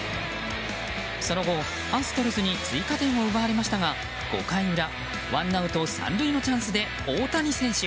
その後、アストロズに追加点を奪われましたが５回裏、ワンアウト３塁のチャンスで大谷選手。